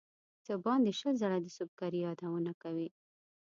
څه باندې شل ځله د سُبکري یادونه کوي.